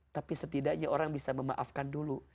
tapi setidaknya orang bisa memaafkan dulu